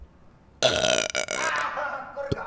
あーこれか！